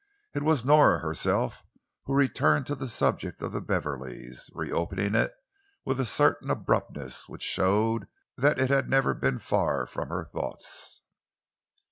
It was Nora herself who returned to the subject of the Beverleys, reopening it with a certain abruptness which showed that it had never been far from her thoughts.